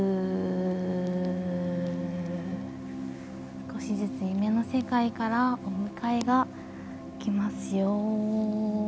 少しずつ夢の世界からお迎えが来ますよ。